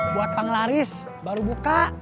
buat panglaris baru buka